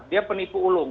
dia penipu ulung